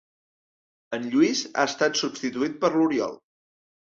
En Lluís ha estat substituït per l'Oriol.